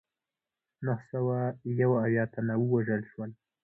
نهه سوه یو اویا تنه ووژل شول.